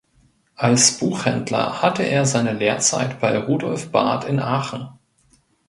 Als Buchhändler hatte er seine Lehrzeit bei Rudolf Barth in Aachen.